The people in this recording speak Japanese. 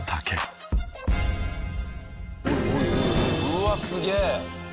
うわっすげえ！